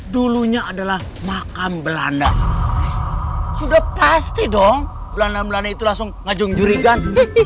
dulunya adalah makam belanda sudah pasti dong belanda belanda itu langsung ngajung jurigan